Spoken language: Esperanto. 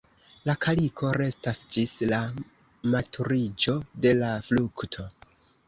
La kaliko restas ĝis la maturiĝo de la frukto.